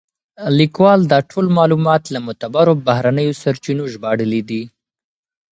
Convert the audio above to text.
لیکوال دا ټول معلومات له معتبرو بهرنیو سرچینو ژباړلي دي.